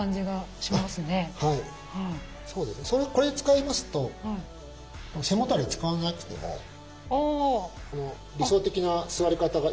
これ使いますと背もたれ使わなくても理想的な座り方が維持できるんですね。